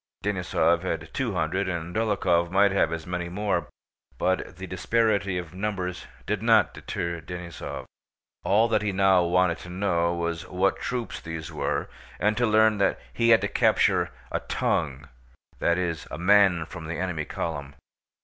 Denísov had two hundred, and Dólokhov might have as many more, but the disparity of numbers did not deter Denísov. All that he now wanted to know was what troops these were and to learn that he had to capture a "tongue"—that is, a man from the enemy column.